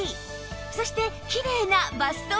そしてきれいなバストラインに